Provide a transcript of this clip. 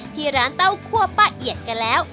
ที่ร้านเต้าคั่วป้าเอียดกันแล้ว